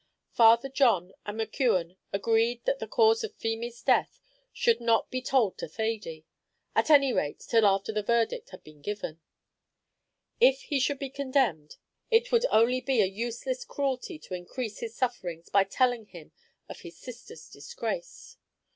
Father John and McKeon agreed that the cause of Feemy's death should not be told to Thady at any rate till after the verdict had been given. If he should be condemned it would only be a useless cruelty to increase his sufferings by telling him of his sister's disgrace.